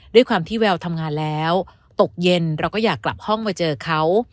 ด้วยความที่แววทำงานแล้วตกเย็นเราก็อยากกลับห้องมาเจอเขา